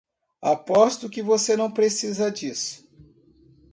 Aposto que você não precisa disso.